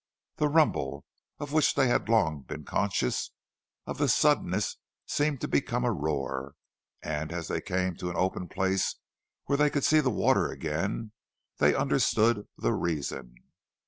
The rumble, of which they had long been conscious, of the suddenest seemed to become a roar, and, as they came to an open place where they could see the water again, they understood the reason.